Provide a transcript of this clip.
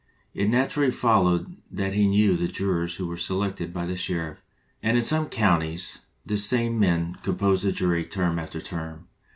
It naturally followed that he knew the jurors who were selected by the sheriff, and in some counties the same men composed the jury term after term.